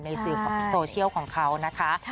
สื่อโซเชียลของเขานะคะ